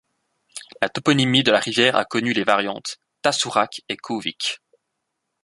La toponymie de la rivière a connu les variantes: Tasurak et Kuuvik.